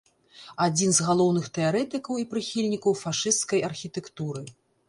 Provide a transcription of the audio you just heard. Адзін з галоўных тэарэтыкаў і прыхільнікаў фашысцкай архітэктуры.